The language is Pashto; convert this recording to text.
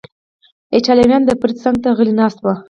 ایټالویان، د فرید څنګ ته غلی ناست و.